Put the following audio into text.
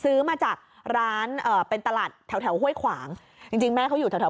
ซื้อมาจากร้านเอ่อเป็นตลาดแถวแถวห้วยขวางจริงจริงแม่เขาอยู่แถวแถว